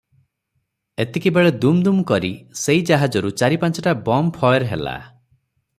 ଏତିକିବେଳେ ଦୁମ୍ ଦୁମ୍ କରି ସେଇ ଜାହାଜରୁ ଚାରି ପାଞ୍ଚଟା ବୋମ୍ ଫଏର ହେଲା ।